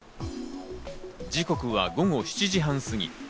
時刻は午後７時半過ぎ。